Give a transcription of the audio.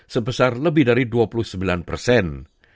sebesar lebih dari dua puluh sembilan persen